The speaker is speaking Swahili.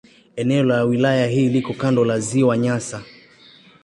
Eneo la wilaya hii liko kando la Ziwa Nyasa.